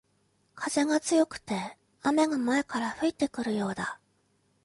風が強くて雨が前から吹いてくるようだ